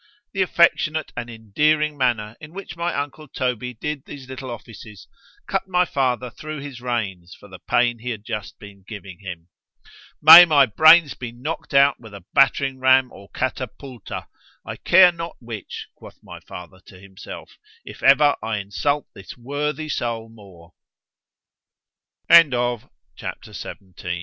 ——The affectionate and endearing manner in which my uncle Toby did these little offices—cut my father thro' his reins, for the pain he had just been giving him.——May my brains be knock'd out with a battering ram or a catapulta, I care not which, quoth my father to himself—if ever I insult this wo